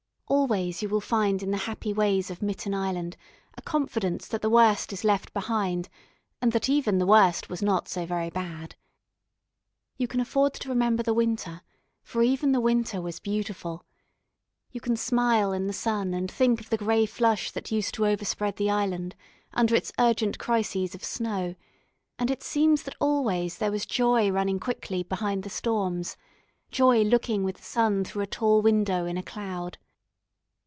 Always you will find in the happy ways of Mitten Island a confidence that the worst is left behind, and that even the worst was not so very bad. You can afford to remember the winter, for even the winter was beautiful; you can smile in the sun and think of the grey flush that used to overspread the island under its urgent crises of snow, and it seems that always there was joy running quickly behind the storms, joy looking with the sun through a tall window in a cloud.